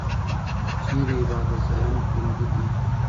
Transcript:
چېري عبادت ځایونه خوندي دي؟